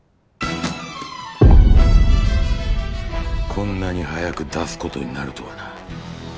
こんなに早く出すことになるとはな。